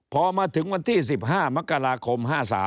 พอมาถึงวันที่๑๕มกราคม๕๓